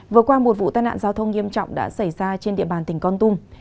vừa qua một vụ tai nạn giao thông nghiêm trọng đã xảy ra trên địa bàn tỉnh con tum